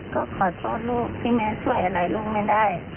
ขอโทษครับ